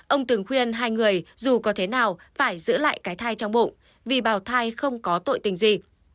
ông từng khuyên hai người dù có thế nào phải giữ lại cái thai trong bụng vì bảo thai không có tội tình gì